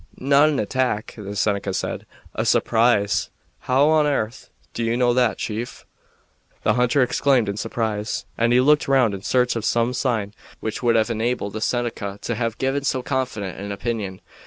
"Not an attack," the Seneca said; "a surprise." "How on arth do you know that, chief?" the hunter exclaimed in surprise, and he looked round in search of some sign which would have enabled the Seneca to have given so confident an opinion.